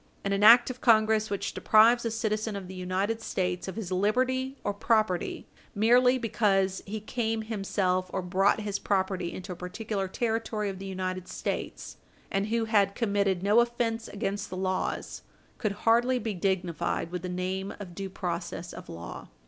And an act of Congress which deprives a citizen of the United States of his liberty or property merely because he came himself or brought his property into a particular Territory of the United States, and who had committed no offence against the laws, could hardly be dignified with the name of due process of law.